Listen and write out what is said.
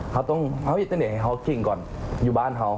เค้าต้องเค้าอยู่ที่ไหนให้เค้าเคร่งก่อนอยู่บ้านเค้า